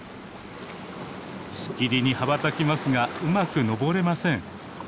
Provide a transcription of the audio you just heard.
しきりに羽ばたきますがうまくのぼれません。